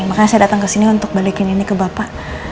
makanya saya datang kesini untuk balikin ini ke bapak